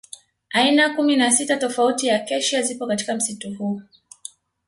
Aina kumi na sita tofauti ya Acacia zipo katika msitu huu